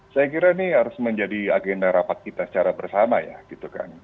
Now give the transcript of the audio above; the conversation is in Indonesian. saya kira ini harus menjadi agenda rapat kita secara bersama ya gitu kan